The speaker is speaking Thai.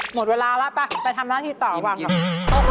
หมดเวลาแล้วไปทำหน้าที่ต่อวางกับ